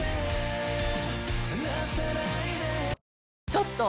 ちょっと！